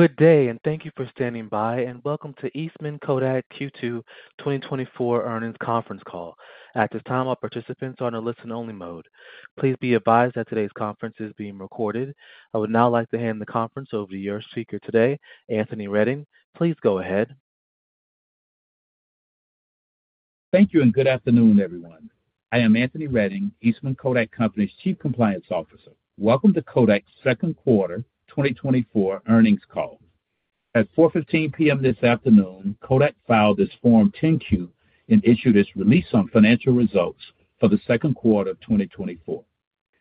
Good day, and thank you for standing by, and welcome to Eastman Kodak Q2 2024 earnings conference call. At this time, all participants are on a listen-only mode. Please be advised that today's conference is being recorded. I would now like to hand the conference over to your speaker today, Anthony Redding. Please go ahead. Thank you, and good afternoon, everyone. I am Anthony Redding, Eastman Kodak Company's Chief Compliance Officer. Welcome to Kodak's second quarter 2024 earnings call. At 4:15 P.M. this afternoon, Kodak filed its Form 10-Q and issued its release on financial results for the second quarter of 2024.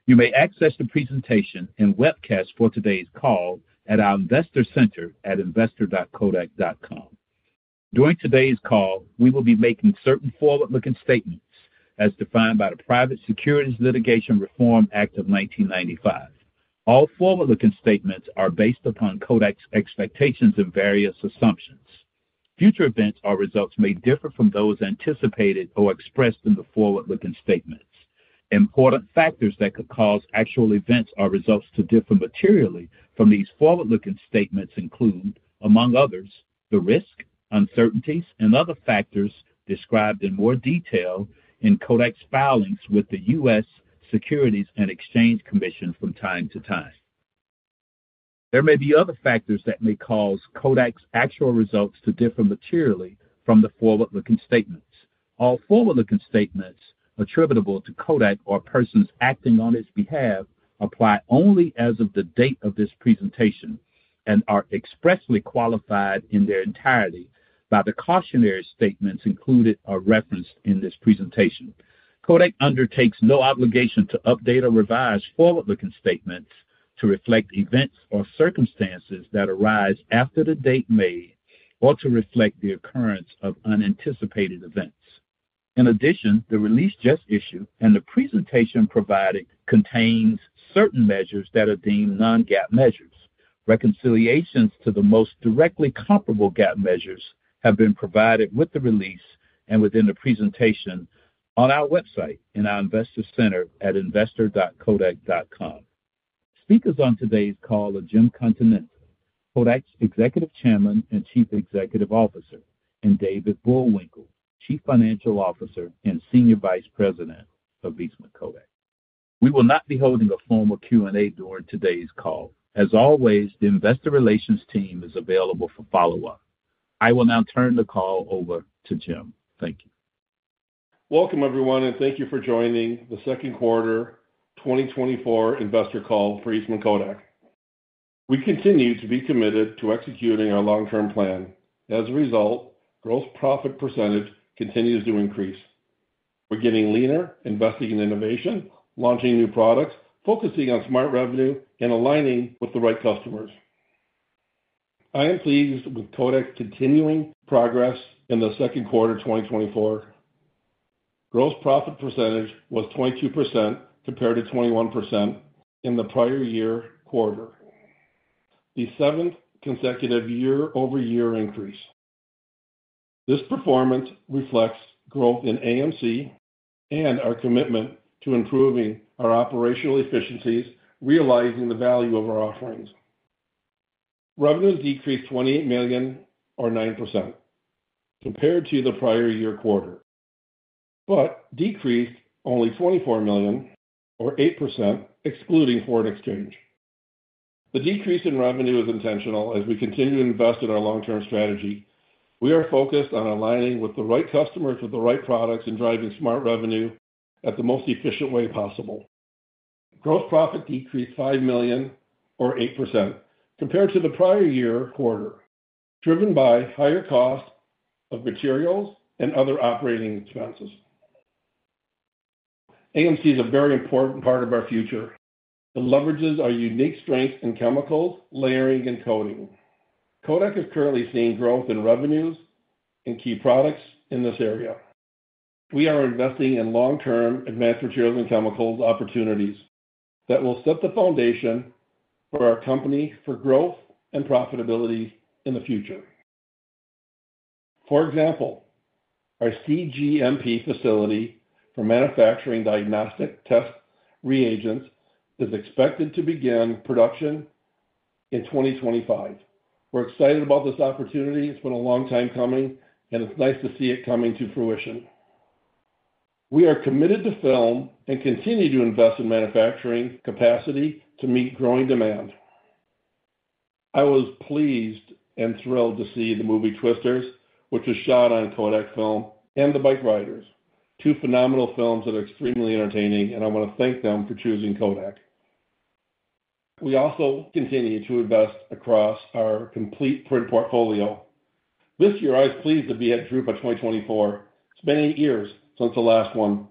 You may access the presentation and webcast for today's call at our investor center at investor.kodak.com. During today's call, we will be making certain forward-looking statements as defined by the Private Securities Litigation Reform Act of 1995. All forward-looking statements are based upon Kodak's expectations and various assumptions. Future events or results may differ from those anticipated or expressed in the forward-looking statements. Important factors that could cause actual events or results to differ materially from these forward-looking statements include, among others, the risks, uncertainties, and other factors described in more detail in Kodak's filings with the U.S. Securities and Exchange Commission from time to time. There may be other factors that may cause Kodak's actual results to differ materially from the forward-looking statements. All forward-looking statements attributable to Kodak or persons acting on its behalf apply only as of the date of this presentation and are expressly qualified in their entirety by the cautionary statements included or referenced in this presentation. Kodak undertakes no obligation to update or revise forward-looking statements to reflect events or circumstances that arise after the date made or to reflect the occurrence of unanticipated events. In addition, the release just issued and the presentation provided contains certain measures that are deemed non-GAAP measures. Reconciliations to the most directly comparable GAAP measures have been provided with the release and within the presentation on our website in our investor center at investor.kodak.com. Speakers on today's call are James Continenza, Kodak's Executive Chairman and Chief Executive Officer, and David Bullwinkle, Chief Financial Officer and Senior Vice President of Eastman Kodak. We will not be holding a formal Q&A during today's call. As always, the investor relations team is available for follow-up. I will now turn the call over to James. Thank you. Welcome, everyone, and thank you for joining the second quarter 2024 investor call for Eastman Kodak. We continue to be committed to executing our long-term plan. As a result, gross profit percentage continues to increase. We're getting leaner, investing in innovation, launching new products, focusing on smart revenue, and aligning with the right customers. I am pleased with Kodak's continuing progress in the second quarter, 2024. Gross profit percentage was 22%, compared to 21% in the prior year quarter, the 7th consecutive year-over-year increase. This performance reflects growth in AMC and our commitment to improving our operational efficiencies, realizing the value of our offerings. Revenue decreased $28 million, or 9%, compared to the prior year quarter, but decreased only $24 million or 8%, excluding foreign exchange. The decrease in revenue is intentional as we continue to invest in our long-term strategy. We are focused on aligning with the right customers with the right products and driving smart revenue at the most efficient way possible. Gross profit decreased $5 million or 8% compared to the prior year quarter, driven by higher costs of materials and other operating expenses. AMC is a very important part of our future. It leverages our unique strengths in chemicals, layering, and coating. Kodak is currently seeing growth in revenues and key products in this area. We are investing in long-term Advanced Materials and Chemicals opportunities that will set the foundation for our company for growth and profitability in the future. For example, our cGMP facility for manufacturing diagnostic test reagents is expected to begin production in 2025. We're excited about this opportunity. It's been a long time coming, and it's nice to see it coming to fruition. We are committed to film and continue to invest in manufacturing capacity to meet growing demand. I was pleased and thrilled to see the movie Twisters, which was shot on Kodak film, and The Bikeriders, two phenomenal films that are extremely entertaining, and I want to thank them for choosing Kodak. We also continue to invest across our complete print portfolio. This year, I was pleased to be at Drupa 2024. It's been eight years since the last one.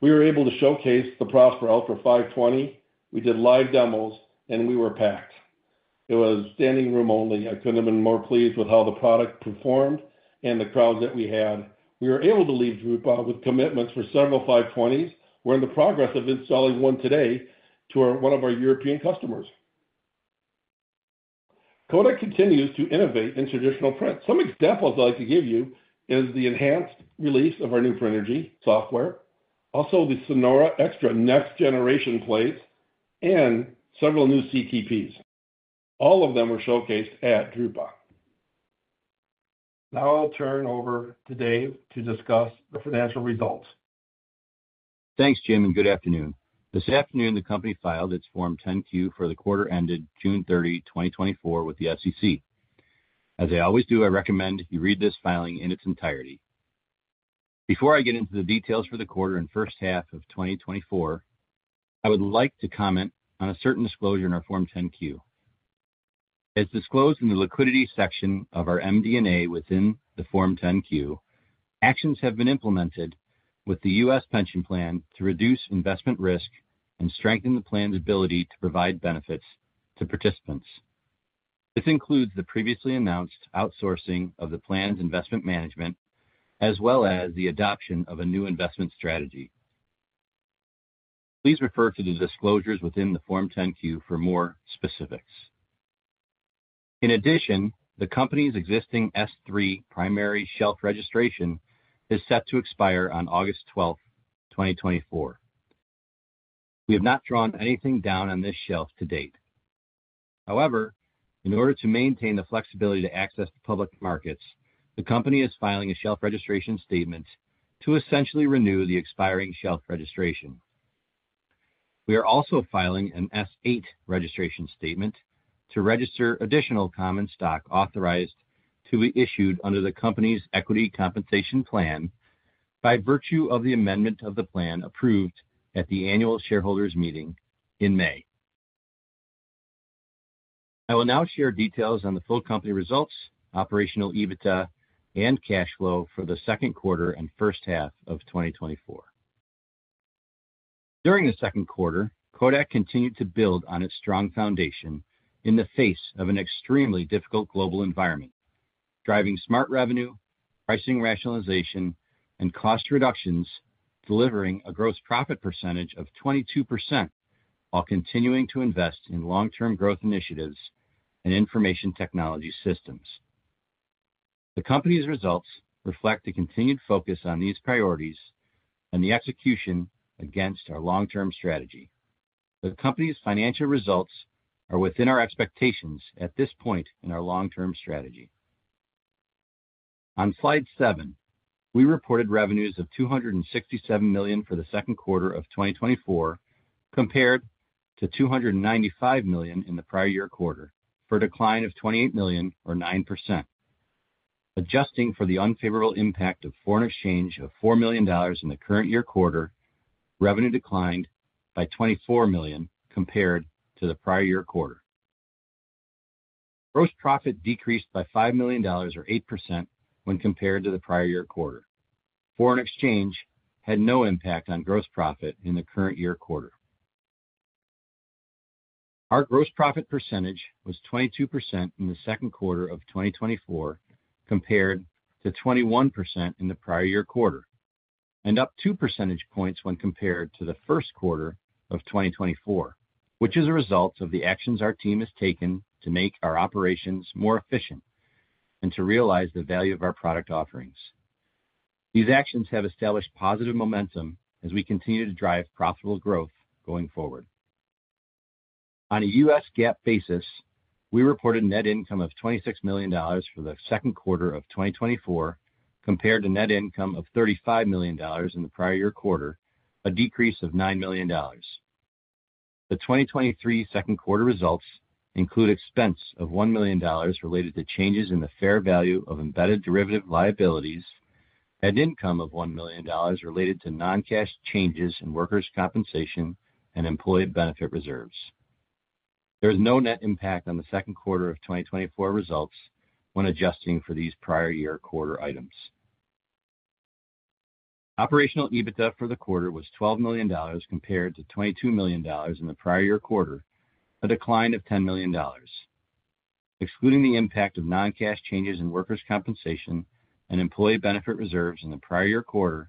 We were able to showcase the PROSPER ULTRA 520. We did live demos, and we were packed. It was standing room only. I couldn't have been more pleased with how the product performed and the crowds that we had. We were able to leave Drupa with commitments for several 520s. We're in the process of installing one today to one of our European customers. Kodak continues to innovate in traditional print. Some examples I'd like to give you is the enhanced release of our new PRINERGY software.... also the SONORA XTRA next-generation plates and several new CTPs. All of them were showcased at Drupa. Now I'll turn over to David to discuss the financial results. Thanks, James, and good afternoon. This afternoon, the company filed its Form 10-Q for the quarter ended June 30, 2024, with the SEC. As I always do, I recommend you read this filing in its entirety. Before I get into the details for the quarter and first half of 2024, I would like to comment on a certain disclosure in our Form 10-Q. As disclosed in the liquidity section of our MD&A within the Form 10-Q, actions have been implemented with the U.S. pension plan to reduce investment risk and strengthen the plan's ability to provide benefits to participants. This includes the previously announced outsourcing of the plan's investment management, as well as the adoption of a new investment strategy. Please refer to the disclosures within the Form 10-Q for more specifics. In addition, the company's existing S-3 primary shelf registration is set to expire on August 12, 2024. We have not drawn anything down on this shelf to date. However, in order to maintain the flexibility to access the public markets, the company is filing a shelf registration statement to essentially renew the expiring shelf registration. We are also filing an S-8 registration statement to register additional common stock authorized to be issued under the company's equity compensation plan, by virtue of the amendment of the plan approved at the annual shareholders meeting in May. I will now share details on the full company results, Operational EBITDA, and cash flow for the second quarter and first half of 2024. During the second quarter, Kodak continued to build on its strong foundation in the face of an extremely difficult global environment, driving smart revenue, pricing rationalization, and cost reductions, delivering a gross profit percentage of 22%, while continuing to invest in long-term growth initiatives and information technology systems. The company's results reflect the continued focus on these priorities and the execution against our long-term strategy. The company's financial results are within our expectations at this point in our long-term strategy. On Slide 7, we reported revenues of $267 million for the second quarter of 2024, compared to $295 million in the prior year quarter, for a decline of $28 million or 9%. Adjusting for the unfavorable impact of foreign exchange of $4 million in the current year quarter, revenue declined by $24 million compared to the prior year quarter. Gross profit decreased by $5 million or 8% when compared to the prior year quarter. Foreign exchange had no impact on gross profit in the current year quarter. Our gross profit percentage was 22% in the second quarter of 2024, compared to 21% in the prior year quarter, and up two percentage points when compared to the first quarter of 2024, which is a result of the actions our team has taken to make our operations more efficient and to realize the value of our product offerings. These actions have established positive momentum as we continue to drive profitable growth going forward. On a U.S. GAAP basis, we reported net income of $26 million for the second quarter of 2024, compared to net income of $35 million in the prior year quarter, a decrease of $9 million. The 2023 second quarter results include expense of $1 million related to changes in the fair value of embedded derivative liabilities and income of $1 million related to non-cash changes in workers' compensation and employee benefit reserves. There is no net impact on the second quarter of 2024 results when adjusting for these prior year quarter items. Operational EBITDA for the quarter was $12 million, compared to $22 million in the prior year quarter, a decline of $10 million. Excluding the impact of non-cash changes in workers' compensation and employee benefit reserves in the prior year quarter,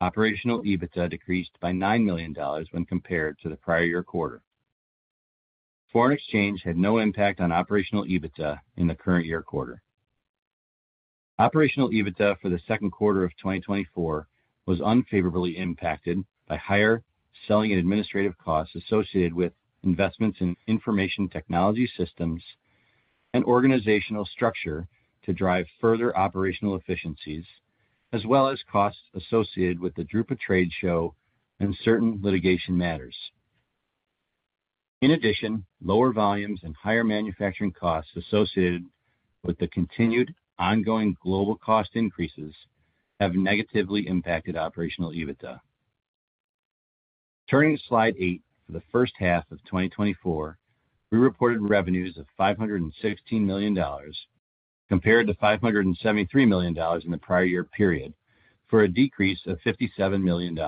Operational EBITDA decreased by $9 million when compared to the prior year quarter. Foreign exchange had no impact on Operational EBITDA in the current year quarter. Operational EBITDA for the second quarter of 2024 was unfavorably impacted by higher selling and administrative costs associated with investments in information technology systems and organizational structure to drive further operational efficiencies, as well as costs associated with the Drupa trade show and certain litigation matters. In addition, lower volumes and higher manufacturing costs associated with the continued ongoing global cost increases have negatively impacted Operational EBITDA. Turning to Slide 8, for the first half of 2024, we reported revenues of $516 million, compared to $573 million in the prior year period, for a decrease of $57 million.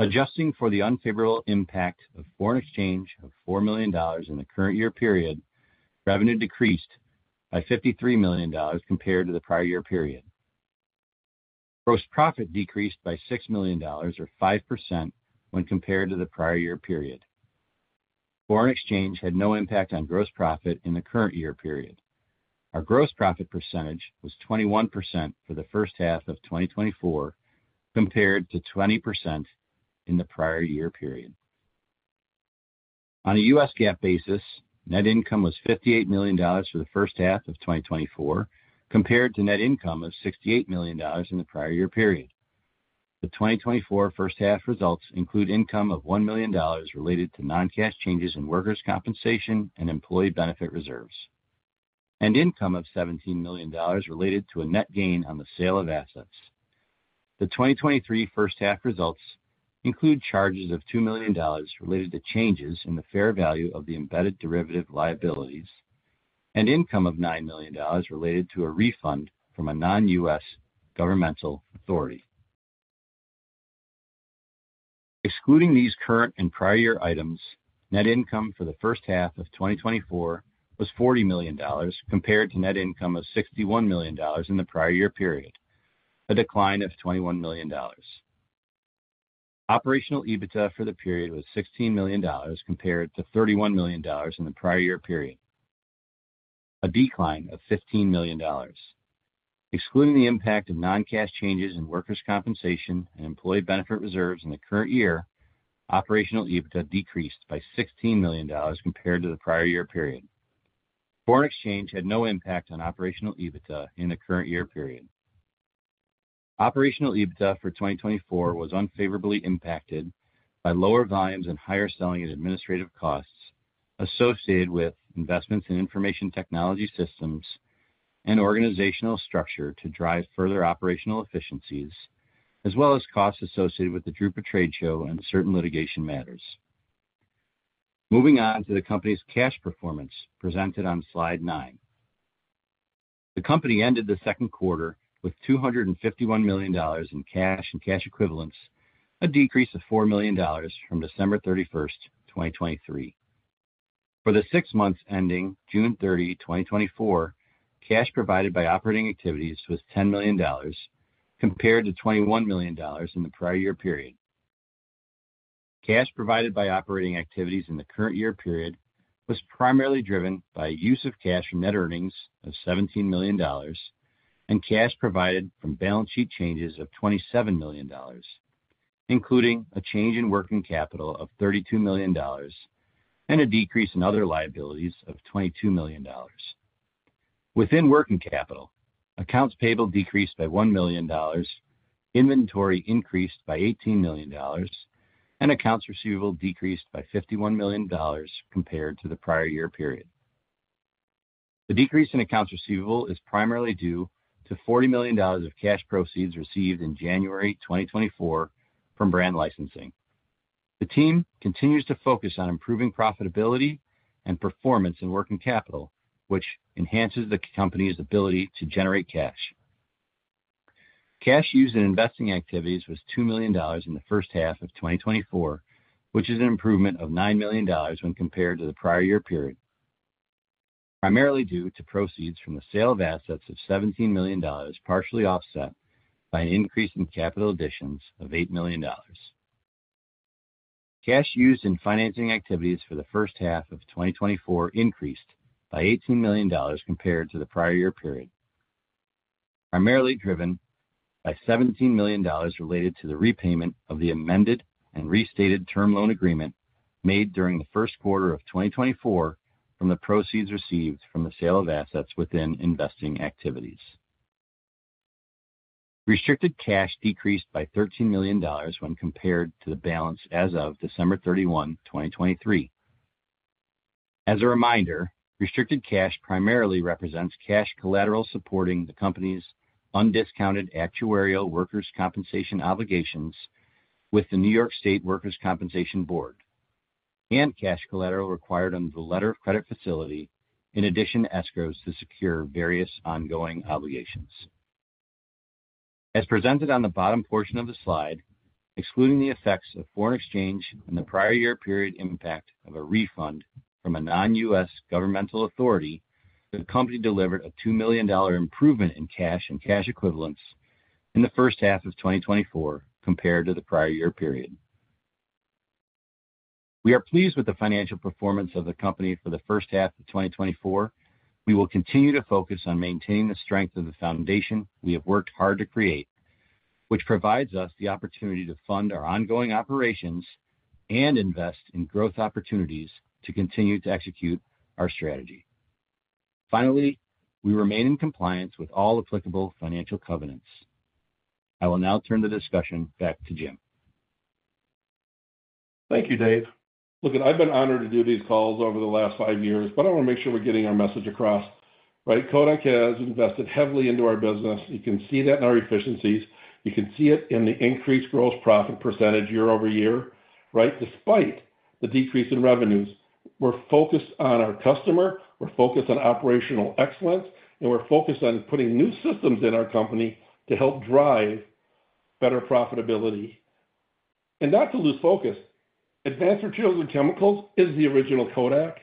Adjusting for the unfavorable impact of foreign exchange of $4 million in the current year period, revenue decreased by $53 million compared to the prior year period. Gross profit decreased by $6 million, or 5%, when compared to the prior year period. Foreign exchange had no impact on gross profit in the current year period. Our gross profit percentage was 21% for the first half of 2024, compared to 20% in the prior year period. On a U.S. GAAP basis, net income was $58 million for the first half of 2024, compared to net income of $68 million in the prior year period. The 2024 first half results include income of $1 million related to non-cash changes in workers' compensation and employee benefit reserves, and income of $17 million related to a net gain on the sale of assets. The 2023 first half results include charges of $2 million related to changes in the fair value of the embedded derivative liabilities, and income of $9 million related to a refund from a non-U.S. governmental authority. Excluding these current and prior year items, net income for the first half of 2024 was $40 million, compared to net income of $61 million in the prior year period, a decline of $21 million. Operational EBITDA for the period was $16 million compared to $31 million in the prior year period, a decline of $15 million. Excluding the impact of non-cash changes in workers' compensation and employee benefit reserves in the current year, Operational EBITDA decreased by $16 million compared to the prior year period. Foreign exchange had no impact on Operational EBITDA in the current year period. Operational EBITDA for 2024 was unfavorably impacted by lower volumes and higher selling and administrative costs associated with investments in information technology systems and organizational structure to drive further operational efficiencies, as well as costs associated with the Drupa trade show and certain litigation matters. Moving on to the company's cash performance, presented on slide 9. The company ended the second quarter with $251 million in cash and cash equivalents, a decrease of $4 million from December 31st, 2023. For the six months ending June 30, 2024, cash provided by operating activities was $10 million, compared to $21 million in the prior year period. Cash provided by operating activities in the current year period was primarily driven by use of cash from net earnings of $17 million and cash provided from balance sheet changes of $27 million, including a change in working capital of $32 million and a decrease in other liabilities of $22 million. Within working capital, accounts payable decreased by $1 million, inventory increased by $18 million, and accounts receivable decreased by $51 million compared to the prior year period. The decrease in accounts receivable is primarily due to $40 million of cash proceeds received in January 2024 from brand licensing. The team continues to focus on improving profitability and performance in working capital, which enhances the company's ability to generate cash. Cash used in investing activities was $2 million in the first half of 2024, which is an improvement of $9 million when compared to the prior year period, primarily due to proceeds from the sale of assets of $17 million, partially offset by an increase in capital additions of $8 million. Cash used in financing activities for the first half of 2024 increased by $18 million compared to the prior year period, primarily driven by $17 million related to the repayment of the amended and restated term loan agreement made during the first quarter of 2024 from the proceeds received from the sale of assets within investing activities. Restricted cash decreased by $13 million when compared to the balance as of December 31, 2023. As a reminder, restricted cash primarily represents cash collateral supporting the company's undiscounted actuarial workers' compensation obligations with the New York State Workers' Compensation Board and cash collateral required under the letter of credit facility, in addition to escrows to secure various ongoing obligations. As presented on the bottom portion of the slide, excluding the effects of foreign exchange and the prior year period impact of a refund from a non-U.S. governmental authority, the company delivered a $2 million improvement in cash and cash equivalents in the first half of 2024 compared to the prior year period. We are pleased with the financial performance of the company for the first half of 2024. We will continue to focus on maintaining the strength of the foundation we have worked hard to create, which provides us the opportunity to fund our ongoing operations and invest in growth opportunities to continue to execute our strategy. Finally, we remain in compliance with all applicable financial covenants. I will now turn the discussion back to James. Thank you, David. Look, I've been honored to do these calls over the last five years, but I want to make sure we're getting our message across, right? Kodak has invested heavily into our business. You can see that in our efficiencies. You can see it in the increased gross profit percentage year-over-year, right? Despite the decrease in revenues, we're focused on our customer, we're focused on operational excellence, and we're focused on putting new systems in our company to help drive better profitability. And not to lose focus, Advanced Materials and Chemicals is the original Kodak,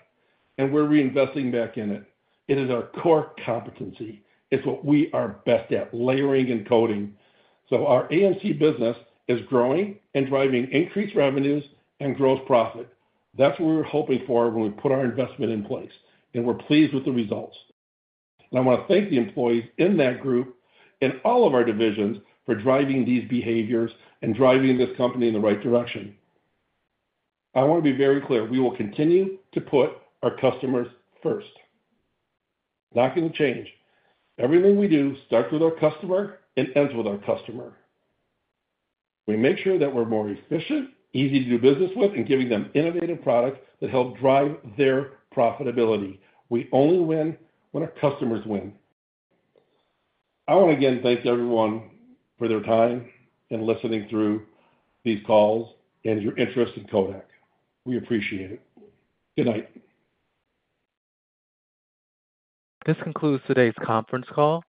and we're reinvesting back in it. It is our core competency. It's what we are best at, layering and coating. So our AMC business is growing and driving increased revenues and gross profit. That's what we were hoping for when we put our investment in place, and we're pleased with the results. I want to thank the employees in that group and all of our divisions for driving these behaviors and driving this company in the right direction. I want to be very clear, we will continue to put our customers first. Not gonna change. Everything we do starts with our customer and ends with our customer. We make sure that we're more efficient, easy to do business with, and giving them innovative products that help drive their profitability. We only win when our customers win. I want to again thank everyone for their time and listening through these calls and your interest in Kodak. We appreciate it. Good night. This concludes today's conference call.